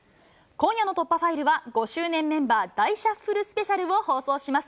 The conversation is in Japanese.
今夜の突破ファイルは、５周年メンバー大シャッフルスペシャルを放送します。